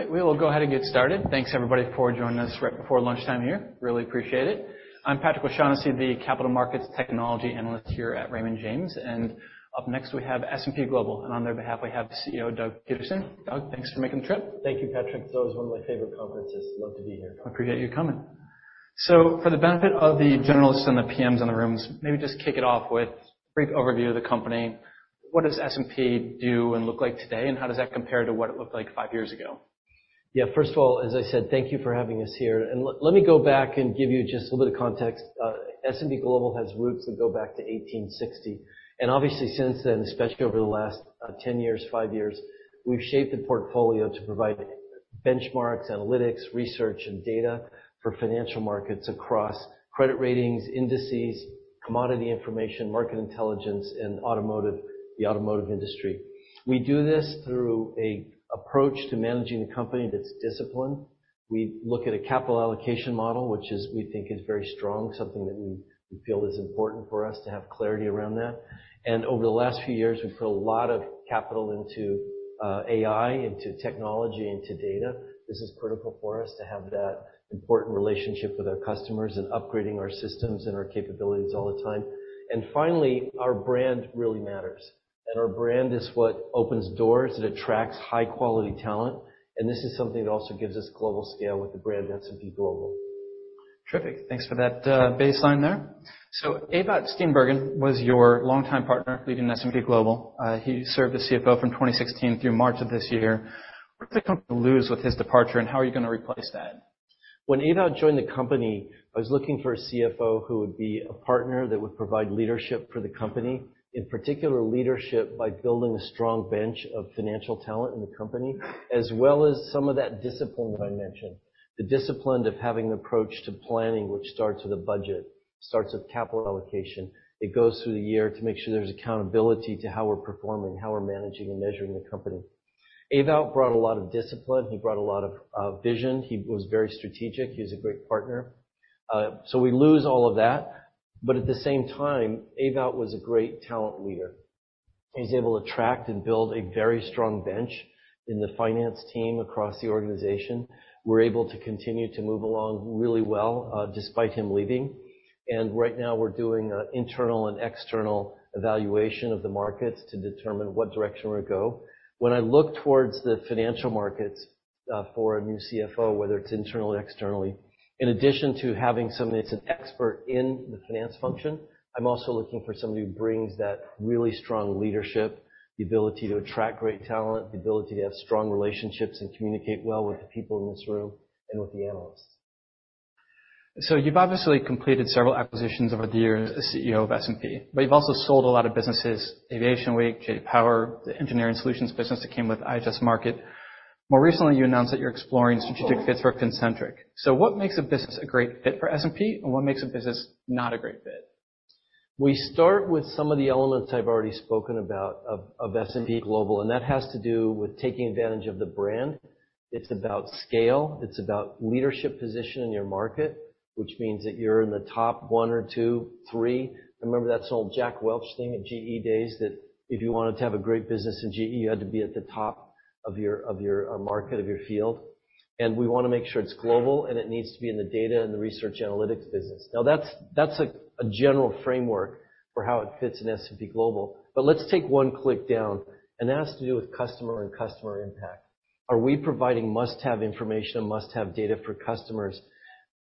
All right, we will go ahead and get started. Thanks everybody for joining us right before lunchtime here. Really appreciate it. I'm Patrick O'Shaughnessy, the capital markets technology analyst here at Raymond James. And up next we have S&P Global. And on their behalf, we have CEO Doug Peterson. Doug, thanks for making the trip. Thank you, Patrick. It's always one of my favorite conferences. Love to be here. Appreciate you coming. So, for the benefit of the generalists and the PMs in the rooms, maybe just kick it off with a brief overview of the company. What does S&P do and look like today and how does that compare to what it looked like five years ago? Yeah, first of all, as I said, thank you for having us here and let me go back and give you just a little bit of context. S&P Global has roots that go back to 1860 and obviously since then, especially over the last 10 years, 5 years, we've shaped the portfolio to provide benchmarks, analytics, research and data for financial markets across credit ratings, indices, commodity information, Market Intelligence and automotive. The automotive industry. We do this through an approach to managing the company that's disciplined. We look at a capital allocation model which we think is very strong. Something that we feel is important for us to have clarity around that. And over the last few years, we put a lot of capital into AI, into technology, into data. This is critical for us to have that important relationship with our customers and upgrading our systems and our capabilities all the time. Finally, our brand really matters. Our brand is what opens doors. It attracts high quality talent. This is something that also gives us global scale with the brand S&P Global. Terrific. Thanks for that baseline there. Ewout Steenbergen was your longtime partner leading S&P Global. He served as CFO from 2016 through March of this year. What did the company lose with his departure and how are you going to replace that? When Ewout joined the company, I was looking for a CFO who would be a partner that would provide leadership for the company. In particular leadership by building a strong bench of financial talent in the company as well as some of that discipline that I mentioned. The discipline of having an approach to planning, which starts with a budget, starts with capital allocation. It goes through the year to make sure there's accountability to how we're performing, how we're managing and measuring the company. Ewout brought a lot of discipline. He brought a lot of vision. He was very strategic. He's a great partner. So we lose all of that. But at the same time, Ewout was a great talent leader. He's able to attract and build a very strong bench in the finance team across the organization. We're able to continue to move along really well despite him leaving. Right now we're doing internal and external evaluation of the markets to determine what direction we go. When I look towards the financial markets for a new CFO, whether it's internally, externally, in addition to having somebody that's an expert in the finance function, I'm also looking for somebody who brings that really strong leadership, the ability to attract great talent, the ability to have strong relationships and communicate well with the people in this room and with the analysts. So you've obviously completed several acquisitions over the years as CEO of S&P, but you've also sold a lot of businesses. Aviation Week, J.D. Power, the engineering solutions business that came with IHS Markit. More recently you announced that you're exploring strategic fits for Fincentric. So what makes a business a great fit for S&P and what makes a business not a great fit? We start with some of the elements I've already spoken about of S&P Global and that has to do with taking advantage of the brand. It's about scale, it's about leadership position in your market, which means that you're in the top one or two, three. Remember that old Jack Welch thing at GE days that if you wanted to have a great business in GE, you had to be at the top of your market, of your field. And we want to make sure it's global and it needs to be in the data and the research analytics business. Now that's a general framework for how it fits in S&P Global. But let's take one click down and that has to do with customer and customer impact. Are we providing must have information and must have data for customers?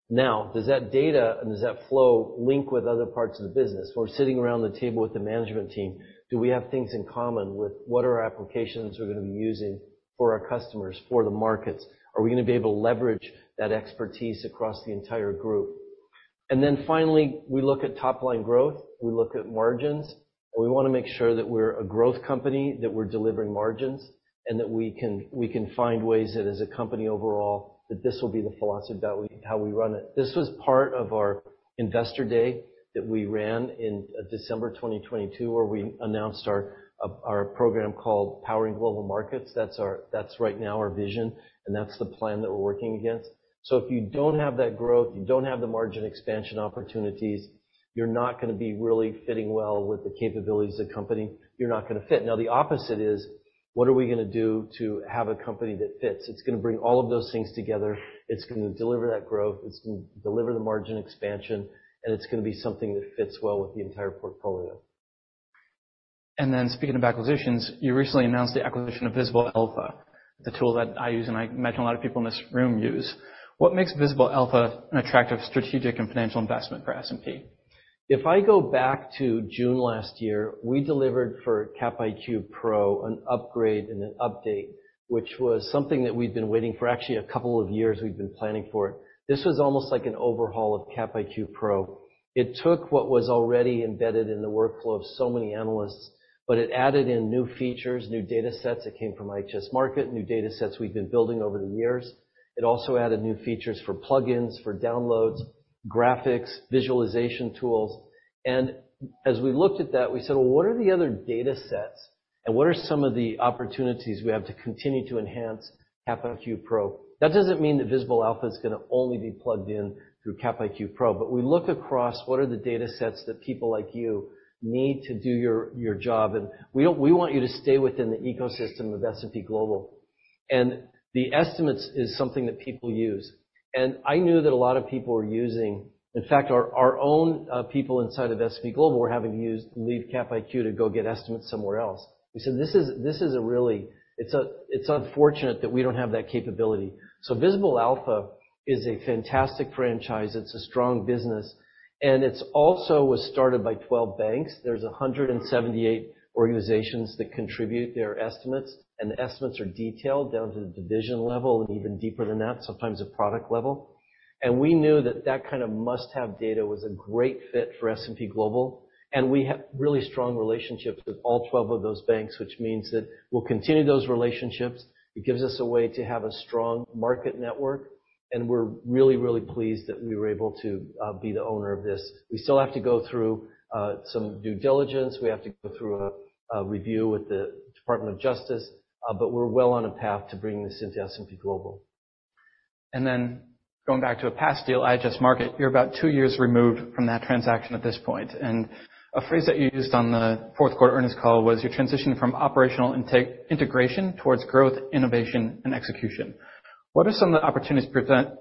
Now does that data and does that flow link with other parts of the business or sitting around the table with the management team? Do we have things in common with what our applications are going to be using for our customers for the markets? Are we going to be able to leverage that expertise across the entire group? And then finally we look at top line growth, we look at margins. We want to make sure that we're a growth company, that we're delivering margins and that we can find ways that as a company overall that this will be the philosophy about how we run it. This was part of our investor day that we ran in December 2022 where we announced our program called Powering Global Markets. That's right now our vision and, and that's the plan that we're working against. So if you don't have that growth, you don't have the margin expansion opportunities, you're not going to be really fitting well with the capabilities of the company. You're not going to fit. Now the opposite is what are we going to do to have a company that fits? It's going to bring all of those things together, it's going to deliver that growth, it's going to deliver the margin expansion, and it's going to be something that fits well with the entire portfolio. And then speaking of acquisitions, you recently announced the acquisition of Visible Alpha, the tool that I use and I imagine a lot of people in this room use. What makes Visible Alpha an attractive strategic and financial investment for S&P. If I go back to June last year, we delivered for Cap IQ Pro an upgrade and an update, which was something that we'd been waiting for actually a couple of years we'd been planning for it. This was almost like an overhaul of Cap IQ Pro. It took what was already embedded in the workflow of so many analysts, but it added in new features, new data sets that came from IHS Markit, new data sets we've been building over the years. It also added new features for plugins, for downloads, graphics visualization tools. And as we looked at that, we said, well, what are the other data sets and what are some of the opportunities we have to continue to enhance Cap IQ Pro? That doesn't mean that Visible Alpha is going to only be plugged in through Cap IQ Pro, but we look across what are the data sets that people like you need to do your job and we want you to stay within the ecosystem of S&P Global. And the estimates is something that people use. And I knew that a lot of people were using. In fact, our own people inside of S&P Global were having to leave Cap IQ to go get estimates somewhere else. We said, this is a really. It's unfortunate that we don't have that capability. So Visible Alpha is a fantastic franchise, it's a strong business and it also was started by 12 banks. There's 178 organizations that contribute their estimates. And the estimates are detailed down to the division level and even deeper than that, sometimes a product level. We knew that that kind of must-have data was a great fit for S&P Global. We have really strong relationships with all 12 of those banks, which means that we'll continue those relationships. It gives us a way to have a strong market network. We're really, really pleased that we were able to be the owner of this. We still have to go through some due diligence. We have to go through a review with the Department of Justice. But we're well on a path to bringing this into S&P Global and then. Going back to a past deal, IHS Markit, you're about two years removed from that transaction at this point. A phrase that you used on the fourth quarter earnings call was your transition from operational integration towards growth, innovation and execution. What are some of the opportunities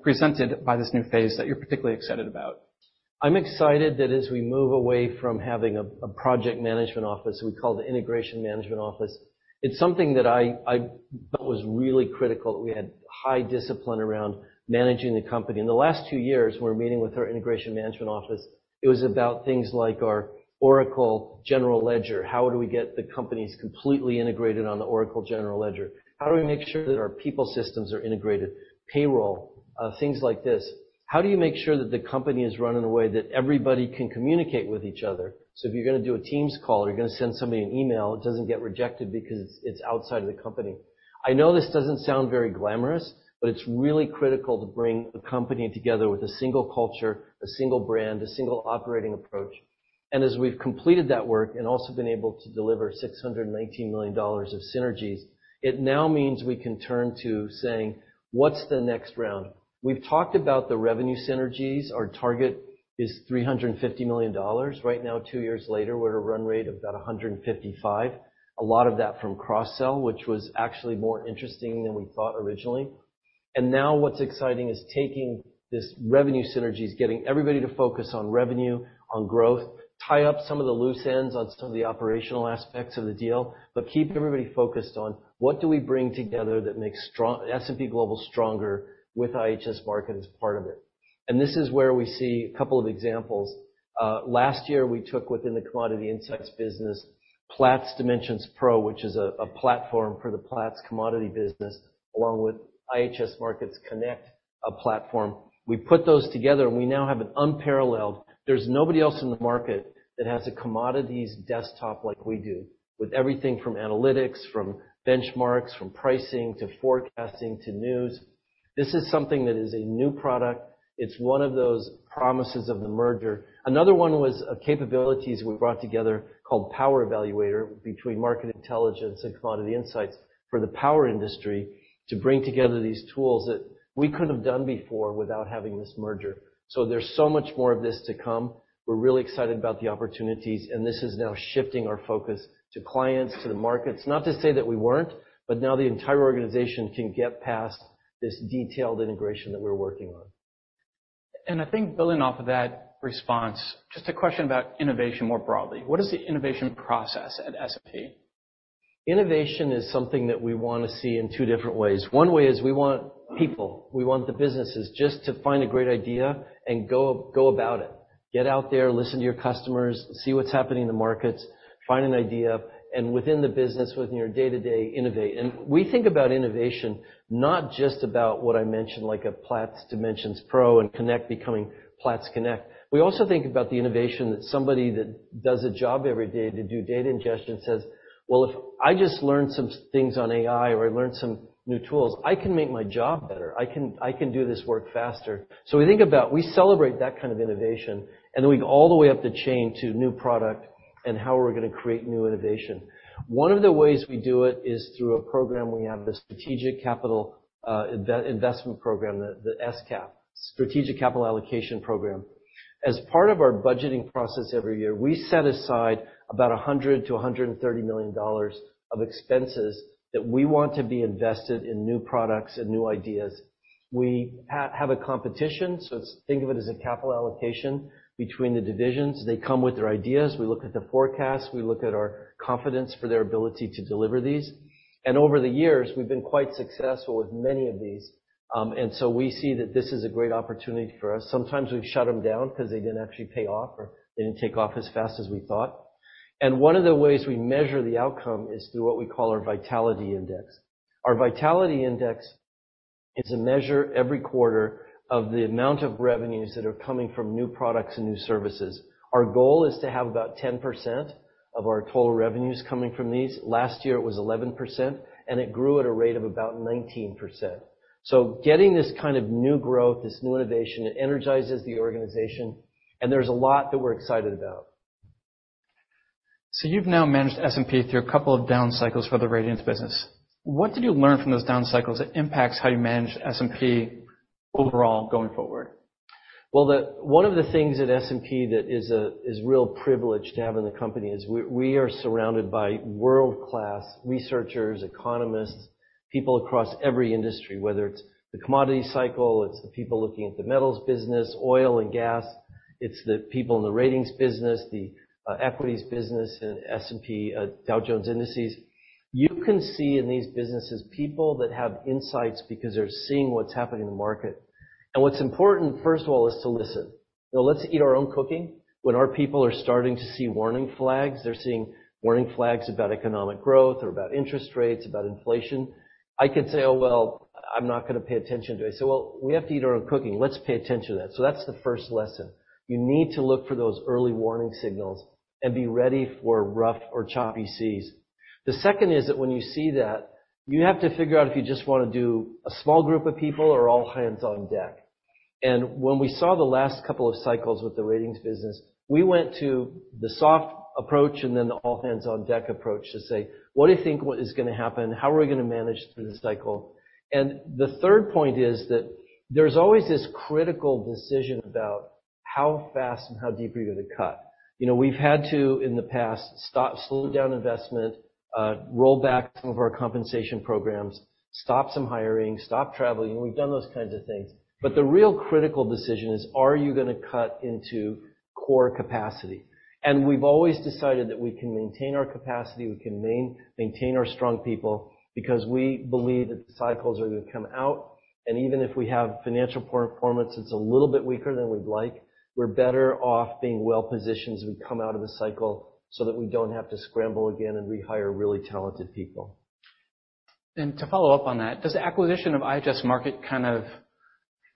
presented by this new phase that you're particularly excited about? I'm excited that as we move away from having a project management office we call the Integration Management Office, it's something that I thought was really critical. We had high discipline around managing the company in the last two years. We're meeting with our Integration Management Office. It was about things like our Oracle General Ledger. How do we get the companies completely integrated on the Oracle General Ledger? How do we make sure that our people systems are integrated? Payroll, things like this. How do you make sure that the company is run in a way that everybody can communicate with each other. So if you're going to do a Teams call or you're going to send somebody an email, it doesn't get rejected because it's outside of the company. I know this doesn't sound very glamorous, but it's really critical to bring a company together with a single culture, a single brand, a single operating approach. As we've completed that work and also been able to deliver $619 million of synergies, it now means we can turn to saying what's the next round? We've talked about the revenue synergies. Our target is $350 million. Right now, two years later we're at a run rate of about $155 million. A lot of that from cross sell which was actually more interesting than we thought originally. And now what's exciting is taking this revenue synergies, getting everybody to focus on revenue, on growth, tie up some of the loose ends on some of the operational aspects of the deal, but keep everybody focused on what do we bring together that makes S&P Global stronger with IHS Markit as part of it. This is where we see a couple of examples. Last year we took within the commodity insights business Platts Dimensions Pro, which is a platform for the Platts commodity business along with IHS Markit's Connect platform. We put those together and we now have an unparalleled. There's nobody else in the market that has a commodities desktop like we do with everything from analytics, from benchmarks, from pricing to forecasting to news, this is something that is a new product. It's one of those promises of the merger. Another one was capabilities we brought together called Power Evaluator between Market Intelligence and Commodity Insights for the power industry to bring together these tools that we couldn't have done before without having this merger. So there's so much more of this to come. We're really excited about the opportunities and this is now shifting our focus to clients, to the markets. Not to say that we weren't, but now the entire organization can get past this detailed integration that we're working on. I think building off of that response. Just a question about innovation more broadly, what is the innovation process at S&P? Innovation is something that we want to see in two different ways. One way is we want people, we want the businesses just to find a great idea and go about it. Get out there, listen to your customers, see what's happening in the markets, find an idea and within the business, within your day to day, innovate. And we think about innovation not just about what I mentioned, like a Platts Dimensions Pro and Connect, becoming Platts Connect. We also think about the innovation that somebody that does a job every day to do data ingestion says, well, if I just learn some things on AI or I learned some new tools, I can make my job better. I can do this work faster. So we think about, we celebrate that kind of innovation and then we go all the way up the chain to new product and how we're going to create new innovation. One of the ways we do it is through a program we have, the Strategic Capital Allocation Program, the SCAP. As part of our budgeting process every year we set aside about $100-$130 million of expenses that we want to be invested in new products and new ideas. We have a competition, so think of it as a capital allocation between the divisions. They come with their ideas. We look at the forecast, we look at our confidence for their ability to deliver these. And over the years we've been quite successful with many of these. And so we see that this is a great opportunity for us. Sometimes we shut them down because they didn't actually pay off or they didn't take off as fast as we thought. One of the ways we measure the outcome is through what we call our Vitality Index. Our Vitality Index is a measure every quarter of the amount of revenues that are coming from new products and new services. Our goal is to have about 10% of our total revenues coming from these. Last year it was 11% and it grew at a rate of about 19%. So getting this kind of new growth, this new innovation energizes the organization and there's a lot that we're excited about. You've now managed S&P through a couple of down cycles for the ratings business. What did you learn from those down cycles that impacts how you manage S&P overall going forward? Well, one of the things at S&P that is a real privilege to have in the company is we are surrounded by world class researchers, economists, people across every industry, whether it's the commodity cycle, it's the people looking at the metals business, oil and gas, it's the people in the ratings business, the equities business, and S&P Dow Jones Indices. You can see in these businesses people that have insights because they're seeing what's happening in the market and what's important first of all is to listen. Let's eat our own cooking. When our people are starting to see warning flags, they're seeing warning flags about economic growth or about interest rates, about inflation. I could say, oh well, I'm not going to pay attention to it. So we have to eat our own cooking. Let's pay attention to that. So that's the first lesson. You need to look for those early warning signals and be ready for rough or choppy seas. The second is that when you see that, you have to figure out if you just want to do a small group of people or all hands on deck. And when we saw the last couple of cycles with the ratings business, we went to the soft approach and then the all hands on deck approach to say, what do you think is going to happen? How are we going to manage the cycle? And the third point is that there's always this critical decision about how fast and how deep are you going to cut? You know, we've had to in the past, slow down investment, roll back some of our compensation programs, stop some hiring, stop traveling. We've done those kinds of things. But the real critical decision is, are you going to cut into core capacity? And we've always decided that we can maintain our capacity, we can maintain our strong people because we believe that disciples are going to come out and even if we have financial performance that's a little bit weaker than we'd like, we're better off being well positioned as we come out of the cycle so that we don't have to scramble again and rehire really talented people and to. Follow up on that, does the acquisition of IHS Markit kind of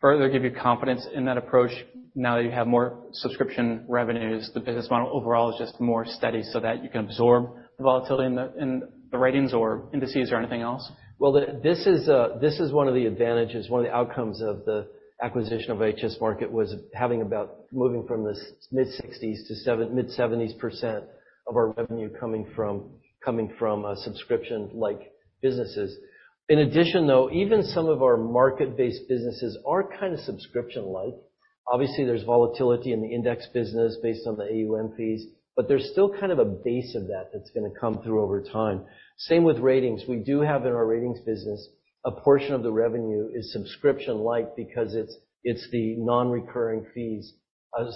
further give you confidence in that approach? Now that you have more subscription revenues, the business model overall is just more steady so that you can absorb the volatility in the ratings or indices or anything else. Well, this is one of the advantages. One of the outcomes of the acquisition of IHS Markit was having about moving from the mid-60s% to mid-70s% of our revenue coming from subscription-like businesses. In addition though, even some of our market-based businesses are kind of subscription-like. Obviously there's volatility in the index business based on the AUM fees, but there's still kind of a base of that that's going to come through over time. Same with ratings. We do have in our ratings business a portion of the revenue is subscription-like because it's the non-recurring fees,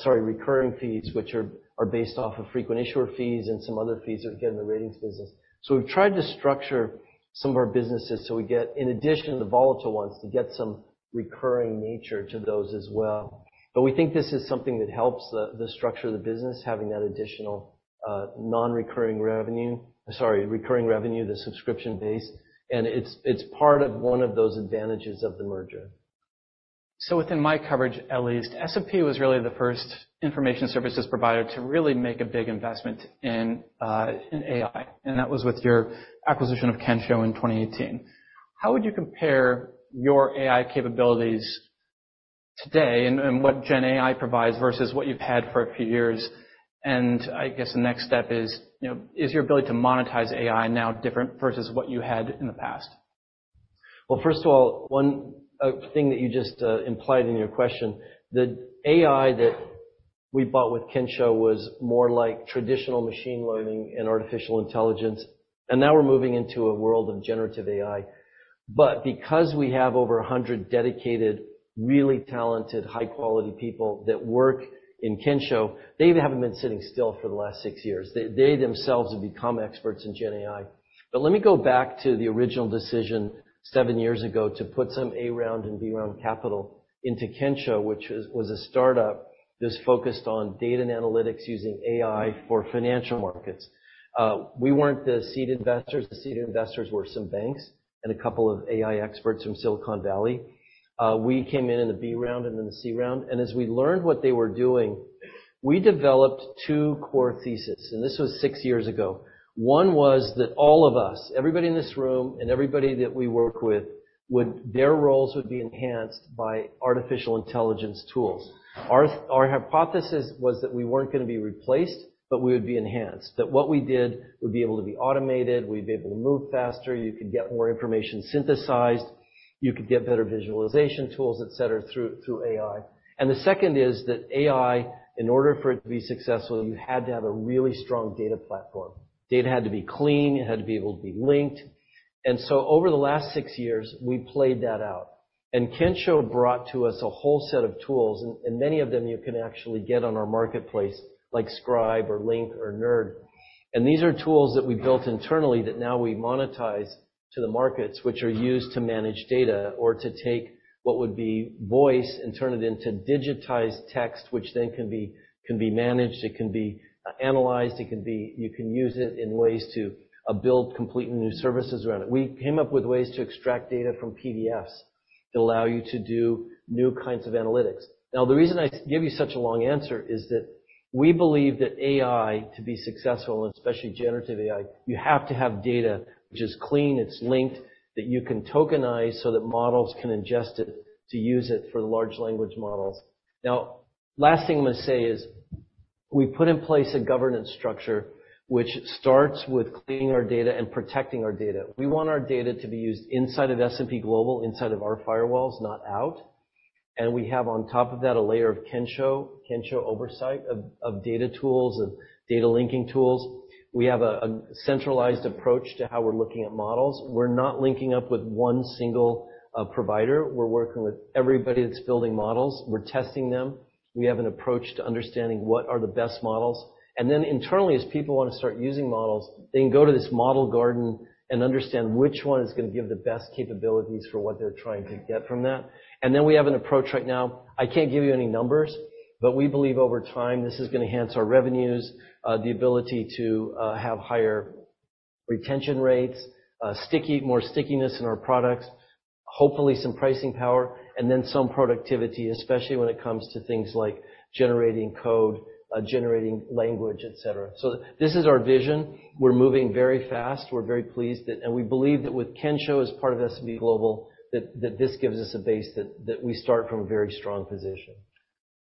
sorry, recurring fees which are based off of frequent issuer fees and some other fees that we get in the ratings business. So we've tried to structure some of our businesses so we get in addition the volatile ones to get some recurring nature to those as well. We think this is something that helps the structure of the business, having that additional non recurring revenue, sorry, recurring revenue, the subscription base. It's part of one of those advantages of the merger. Within my coverage at least, S&P was really the first information services provider to really make a big investment in AI. That was with your acquisition of Kensho in 2018. How would you compare your AI capabilities today and what Gen AI provides versus what you've had for a few years? And I guess the next step is your ability to monetize AI now different versus what you had in the past? Well, first of all, one thing that you just implied in your question, the AI that we bought with Kensho was more like traditional machine learning and artificial intelligence. And now we're moving into a world of generative AI. But because we have over 100 dedicated, really talented, high quality people that work in Kensho, they haven't been sitting still for the last six years. They themselves have become experts in Gen. But let me go back to the original decision seven years ago to put some A round and B round capital into Kensho, which was a startup that's focused on data and analytics using AI for financial markets. We weren't the seed investors. The seed investors were some banks and a couple of AI experts from Silicon Valley. We came in in the B round and in the C round and as we learned what they were doing, we developed two core theses and this was six years ago. One was that all of us, everybody in this room and everybody that we work with, their roles would be enhanced by artificial intelligence tools. Our hypothesis was that we weren't going to be replaced, but we would be enhanced, that what we did would be able to be automated, we'd be able to move faster, you could get more information synthesized, you could get better visualization tools, et cetera, through AI. And the second is that AI, in order for it to be successful, you had to have a really strong data platform. Data had to be clean, it had to be able to be linked. Over the last six years we played that out and Kensho brought to us a whole set of tools and many of them you can actually get on our marketplace, like Scribe or Link or NERD. And these are tools that we built internally that now we monetize to the markets which are used to manage data or to take what would be voice and turn it into digitized text, which then can be managed, it can be analyzed, you can use it in ways to build completely new services around it. We came up with ways to extract data from PDFs that allow you to do new kinds of analytics. Now, the reason I give you such a long answer is that we believe that AI to be successful, especially generative AI, you have to have data is clean, it's linked, that you can tokenize, so that models can ingest it to use it for the large language models. Now, the last thing I'm going to say is we put in place a governance structure which starts with cleaning our data and protecting our data. We want our data to be used inside of S&P Global, inside of our firewalls, not out. And we have on top of that a layer of Kensho oversight of data tools and data linking tools. We have a centralized approach to how we're looking at models. We're not linking up with one single provider. We're working with everybody that's building models, we're testing them. We have an approach to understanding what are the best models. And then internally, as people want to start using models, they can go to this model garden and understand which one is going to give the best capabilities for what they're trying to get from that. And then we have an approach. Right now, I can't give you any numbers, but we believe over time this is going to enhance our revenues, the ability to have higher retention rates, more stickiness in our products, hopefully some pricing power and then some productivity, especially when it comes to things like generating code, generating language, et cetera. So this is our vision. We're moving very fast. We're very pleased and we believe that with Kensho as part of S&P Global, that this gives us a base that we start from a very strong position.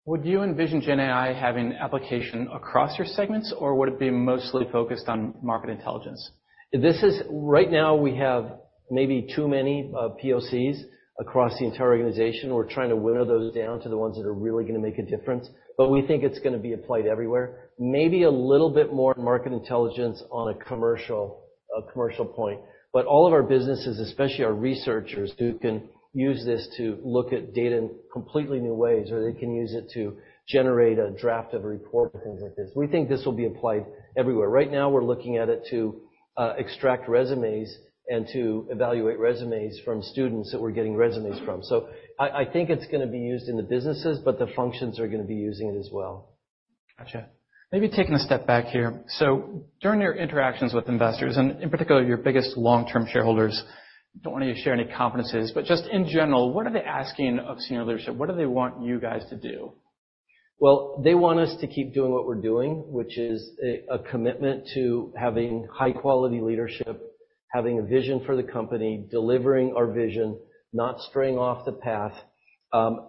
Would you envision Gen AI having application across your segments or would it be mostly focused on Market Intelligence? Right now we have maybe too many POCs across the entire organization. We're trying to winnow those down to the ones that are really going to make a difference. But we think it's going to be applied everywhere. Maybe a little bit more Market Intelligence on a commercial point, but all of our businesses, especially our researchers, who can use this to look at data in completely new ways or they can use it to generate a draft of a report and things like this, we think this will be applied everywhere. Right now we're looking at it to extract resumes and to evaluate resumes from students that we're getting resumes from. So I think it's going to be used in the businesses, but the functions are going to be using it as well. Gotcha. Maybe taking a step back here. So during your interactions with investors and in particular your biggest long term shareholders don't want you to share any confidences, but just in general, what are they asking of senior leadership? What do they want you guys to do? Well, they want us to keep doing what we're doing, which is a commitment to having high quality leadership, having a vision for the company, delivering our vision, not straying off the path.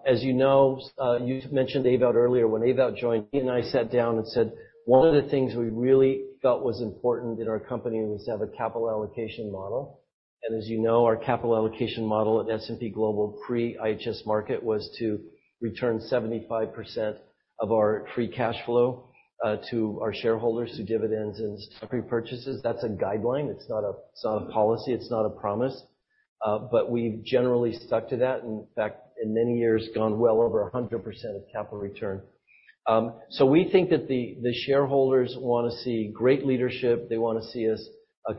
As you know, you mentioned Ewout earlier. When Ewout joined, he and I sat down and said one of the things we really felt was important in our company was to have a capital allocation model. As you know, our capital allocation model at S&P Global pre-IHS Markit was to return 75% of our free cash flow to our shareholders through dividends and stock repurchases. That's a guideline, it's not a policy, it's not a promise. But we've generally stuck to that. In fact, in many years we've gone well over 100% of capital return. So we think that the shareholders want to see great leadership. They want to see us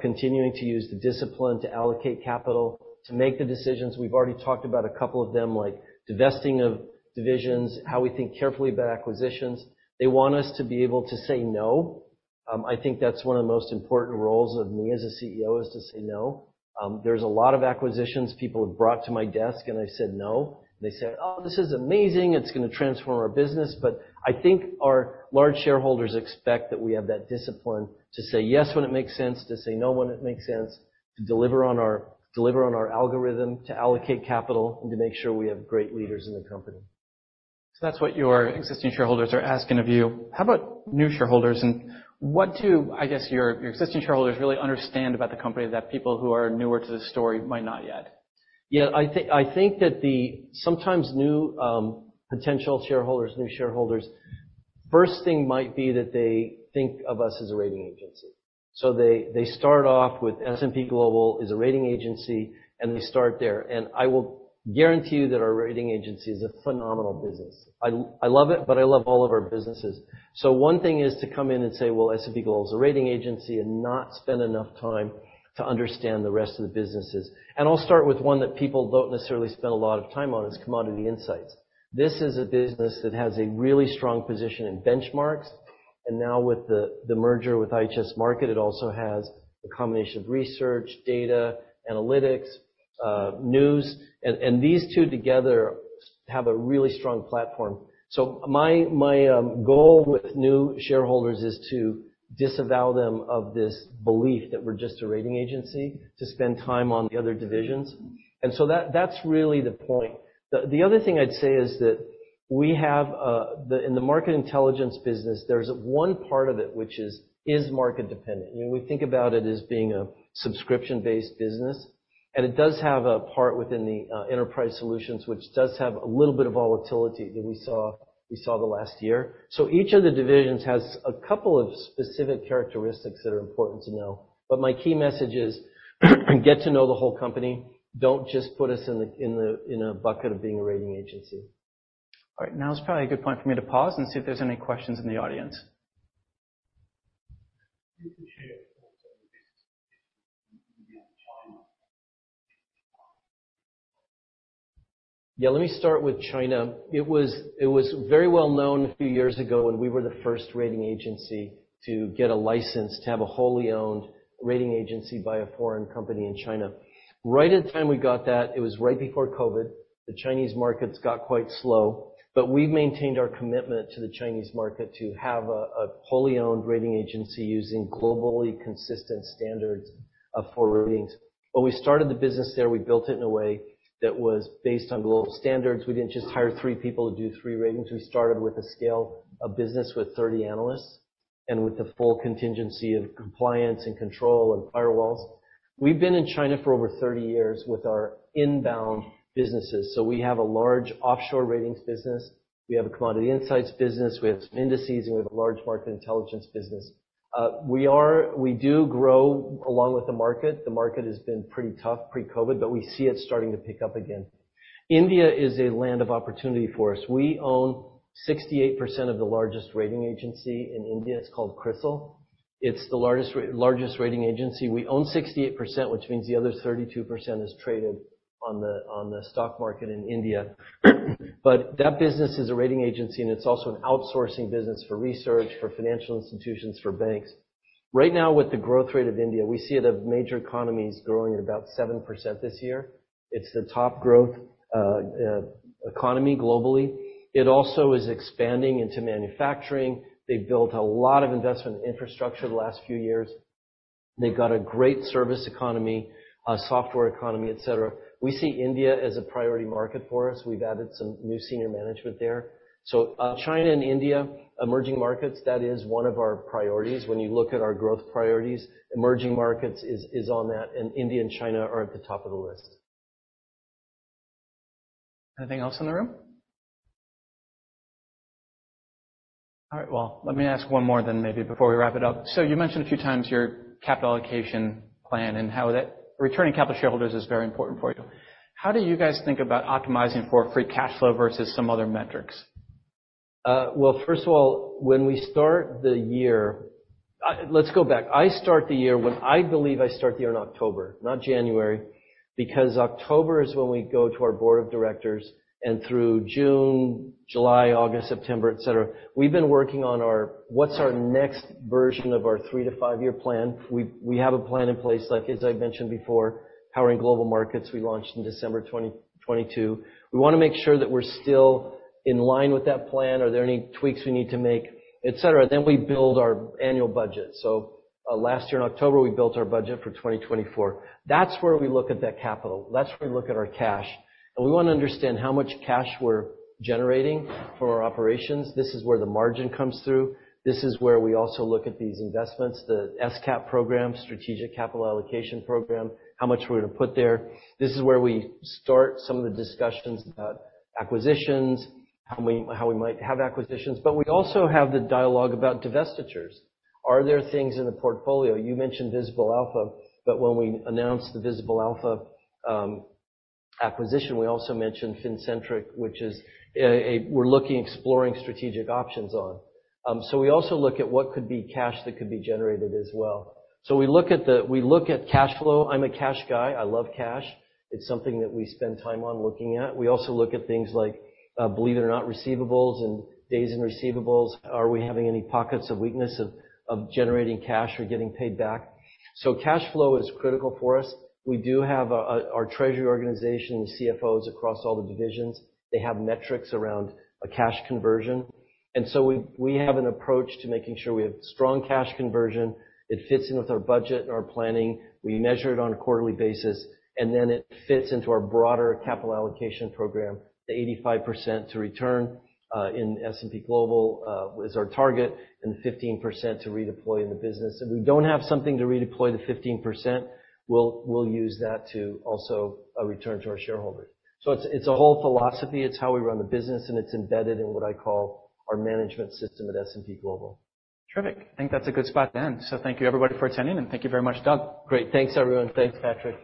continuing to use the discipline to allocate capital to make the decisions. We've already talked about a couple of them, like divesting of divisions, how we think carefully about acquisitions. They want us to be able to say no. I think that's one of the most important roles of me as a CEO is to say no. There's a lot of acquisitions people have brought to my desk and I said no. They said, oh, this is amazing. It's going to transform our business. But I think our large shareholders expect that we have that discipline to say yes when it makes sense, to say no when it makes sense to deliver on our, deliver on our algorithm, to allocate capital and to make sure we have great leaders in the company. So that's what your existing shareholders are asking of you. How about new shareholders? And what do, I guess, your existing shareholders really understand about the company that people who are newer to the story might not yet? Yeah, I think that the sometimes new potential shareholders, new shareholders, first thing might be that they think of us as a rating agency. So they start off with S&P Global is a rating agency and they start there. And I will guarantee you that our rating agency is a phenomenal business. I love it, but I love all of our businesses. So one thing is to come in and say, well, S&P Global is a rating agency and not spend enough time to understand the rest of the businesses. And I'll start with one that people don't necessarily spend a lot of time on. It's Commodity Insights. This is a business that has a really strong position in benchmarks. And now with the merger with IHS Markit, it also has a combination of research, data analytics, news, and these two together have a really strong platform. So my goal with new shareholders is to disavow them of this belief that we're just a rating agency, to spend time on the other divisions. And so that's really the point. The other thing I'd say is that we have in the Market Intelligence business, there's one part of it which is market dependent. We think about it as being a subscription based business and it does have a part within the enterprise solutions which does have a little bit of volatility that we saw the last year. So each of the divisions has a couple of specific characteristics that are important to know. But my key message is get to know the whole company. Don't just put us in a bucket of being a rating agency. All right, now is probably a good point for me to pause and see if there's any questions in the audience. Yeah, let me start with China. It was very well-known a few years ago when we were the first rating agency to get a license to have a wholly owned rating agency by a foreign company in China. Right at the time we got that, it was right before COVID, the Chinese markets got quite slow. But we maintained our commitment to the Chinese market to have a wholly owned rating agency. Using globally consistent standards for ratings. When we started the business there, we built it in a way that was based on global standards. We didn't just hire 3 people to do 3 ratings. We started with a scale of business with 30 analysts and with the full contingency of compliance and control and firewalls. We've been in China for over 30 years with our inbound businesses. So we have a large offshore ratings business. We have a commodity insights business, we have some indices, and we have a large Market Intelligence business. We do grow along with the market. The market has been pretty tough pre-COVID, but we see it starting to pick up again. India is a land of opportunity for us. We own 68% of the largest rating agency in India. It's called CRISIL. It's the largest rating agency. We own 68%, which means the other 32% is traded on the stock market in India. But that business is a rating agency and it's also an outsourcing business for research for financial institutions, for banks. Right now, with the growth rate of India, we see it of major economies growing at about 7% this year. It's the top growth economy globally. It also is expanding into manufacturing. They built a lot of investment infrastructure the last few years. They've got a great service economy, software economy, et cetera. We see India as a priority market for us. We've added some new senior management there. So China and India emerging markets, that is one of our priorities. When you look at our growth priorities, emerging markets is on that and India and China are at the top of the list. Anything else in the room? All right, well, let me ask one more then maybe before we wrap it up. So you mentioned a few times your capital allocation plan and how that returning capital shareholders is very important for you. How do you guys think about optimizing for free cash flow versus some other metrics? Well, first of all, when we start the year, let's go back. I start the year when I believe. I start the year in October, not January, because October is when we go to our board of directors. Through June, July, August, September, et cetera, we've been working on our. What's our next version of our three- to five-year plan? We have a plan in place, like as I mentioned before, Powering Global Markets. We launched in December 2022. We want to make sure that we're still in line with that plan. Are there any tweaks we need to make, et cetera. Then we build our annual budget. So last year in October, we built our budget for 2024. That's where we look at that capital. That's where we look at our cash. And we want to understand how much cash we're generating for our operations. This is where the margin comes through. This is where we also look at these investments, the SCAP program, Strategic Capital Allocation Program, how much we're going to put there. This is where we start some of the discussions about acquisitions, how we might have acquisitions, but we also have the dialogue about divestitures. Are there things in the portfolio? You mentioned Visible Alpha, but when we announced the Visible Alpha acquisition, we also mentioned Fincentric, exploring strategic options on. So we also look at what could be cash that could be generated as well. So we look at cash flow. I'm a cash guy. I love cash. It's something that we spend time on looking at. We also look at things like, believe it or not, receivables and days in receivables. Are we having any pockets of weakness of generating cash or getting paid back? So cash flow is critical for us. We do have our treasury organization CFOs across all the divisions. They have metrics around a cash conversion. And so we have an approach to making sure we have strong cash conversion. It fits in with our budget and our planning. We measure it on a quarterly basis and then it fits into our broader capital allocation program. The 85% to return in S&P Global is our target and 15% to redeploy in the business. If we don't have something to redeploy the 15%, we'll use that to also return to our shareholders. So it's a whole philosophy. It's how we run the business. And it's embedded in what I call our management system at S&P Global. Terrific. I think that's a good spot then. So thank you everybody for attending and thank you very much. Great. Thanks, everyone. Thanks, Patrick.